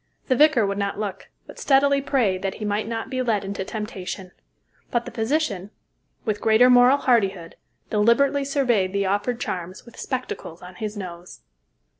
The vicar would not look, but steadily prayed that he might not be led into temptation; but the physician, with greater moral hardihood, deliberately surveyed the offered charms, with spectacles on his nose.